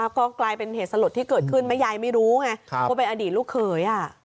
หลายเดือนแล้วเนอะ